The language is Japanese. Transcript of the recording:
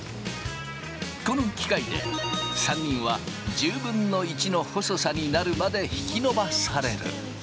この機械で３人は１０分の１の細さになるまで引き伸ばされる。